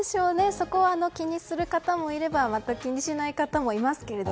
そこは気にする方もいれば全く気にしない方もいますけど。